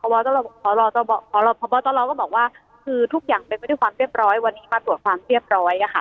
พบตรก็บอกว่าคือทุกอย่างเป็นไปด้วยความเรียบร้อยวันนี้มาตรวจความเรียบร้อย